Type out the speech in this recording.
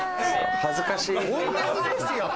恥ずかしい！